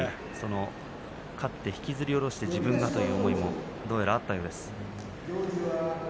勝って引きずり降ろして自分がという思いもどうやらあったようです。